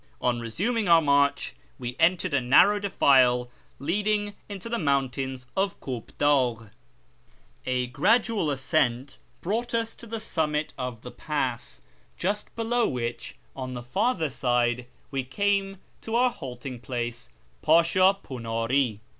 On resuming our march we entered a narrow defile leading into the mountains of Kop dagh. A gradual ascent brought us to the summit of the pass, FROM ENGLAND TO THE PERSIAN FRONTIER 31 just below wliich, on the farther side, we came to our halting place, Pcisha punari.